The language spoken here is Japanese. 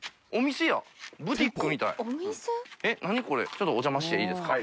ちょっとお邪魔していいですか？